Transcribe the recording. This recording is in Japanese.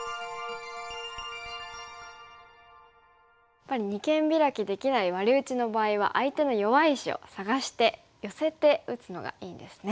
やっぱり二間ビラキできないワリ打ちの場合は相手の弱い石を探して寄せて打つのがいいんですね。